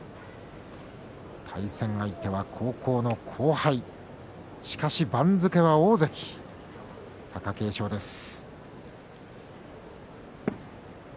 対戦相手は高校の後輩しかし番付は大関貴景勝です。